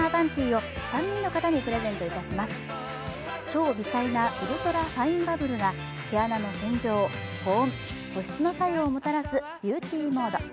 超微細なウルトラファインバブルが毛穴の洗浄、保温、保湿の作用をもたらすビューティーモード。